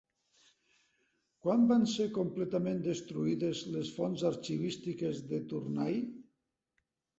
Quan van ser completament destruïdes les fonts arxivístiques de Tournai?